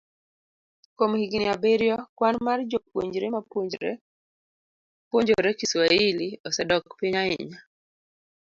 Kuom higini abiriyo, kwan mar jopuonjre mapuonjore Kiswahili osedok piny ahinya.